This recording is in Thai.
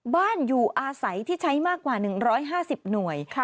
อยู่อาศัยที่ใช้มากกว่า๑๕๐หน่วย